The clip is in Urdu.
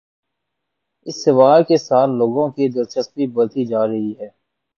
اس سوال کے ساتھ لوگوں کی دلچسپی بڑھتی جا رہی ہے۔